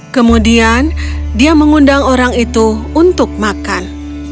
kemudian dia mengundang orang itu untuk makan